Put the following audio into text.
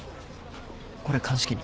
これ鑑識に。